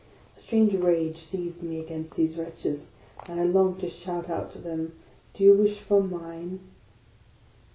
A strange rage seized me against these wretches, and I longed to shout out to them, " Do you wish for mine?